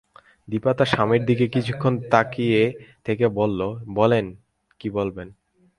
দিপা তার স্বামীর দিকে কিছুক্ষণ তাকিয়ে থেকে বলল, বলেন, কী বলবেন।